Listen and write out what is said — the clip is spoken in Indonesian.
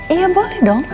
iya boleh dong